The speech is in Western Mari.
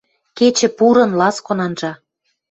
Кечӹ пурын, ласкон анжа.